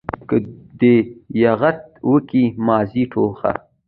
که دي دېغت وکئ ماضي ټوخه.